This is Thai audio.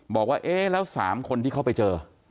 บอกว่าแล้ว๓ที่เค้าไปเจอ